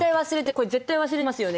これ絶対忘れてますよね